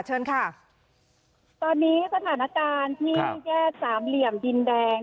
เชิญค่ะตอนนี้สถานการณ์ที่แยกสามเหลี่ยมดินแดง